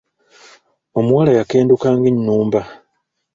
Omuwala yakenduka ng'ennumba.